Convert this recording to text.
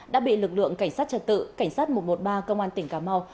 đã bị lực lượng cảnh sát trật tự cảnh sát một trăm một mươi ba công an tỉnh cà mau